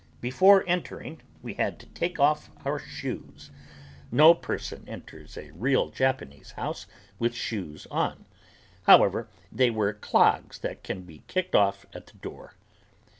Before entering we had to take off our shoes. No person enters a real Japanese house with shoes on. However, they wear clogs that can be kicked off at the door.